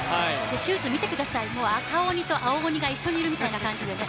シューズ見てください、赤鬼と青鬼が一緒にいるみたいでね。